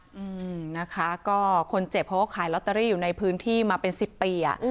อืมนะคะก็คนเจ็บเขาก็ขายลอตเตอรี่อยู่ในพื้นที่มาเป็นสิบปีอ่ะ